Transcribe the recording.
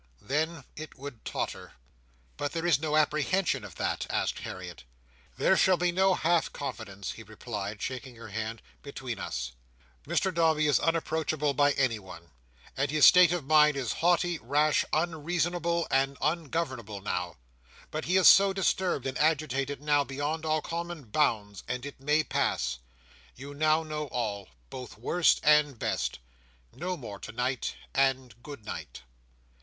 Then it would totter." "But there is no apprehension of that?" said Harriet. "There shall be no half confidence," he replied, shaking her hand, "between us. Mr Dombey is unapproachable by anyone, and his state of mind is haughty, rash, unreasonable, and ungovernable, now. But he is disturbed and agitated now beyond all common bounds, and it may pass. You now know all, both worst and best. No more tonight, and good night!"